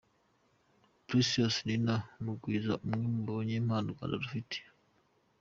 Precious Nina Mugwiza umwe mu banyempano u Rwanda rufite.